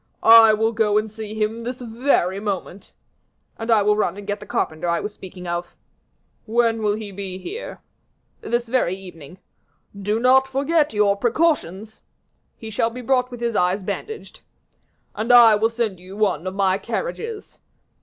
"I will go and see him this very moment." "And I will run and get the carpenter I was speaking of." "When will he be here?" "This very evening." "Do not forget your precautions." "He shall be brought with his eyes bandaged." "And I will send you one of my carriages."